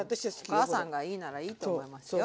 お母さんがいいならいいと思いますよ。